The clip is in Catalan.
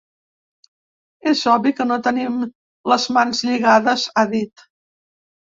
És obvi que no tenim les mans lligades, ha dit.